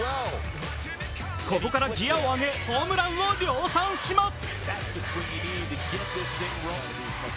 ここからギヤを上げ、ホームランを量産します。